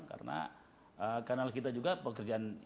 karena kanal kita juga pekerjaan yang cukup